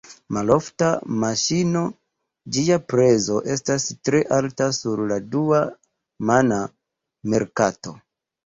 Malofta maŝino, ĝia prezo estas tre alta sur la dua-mana merkato.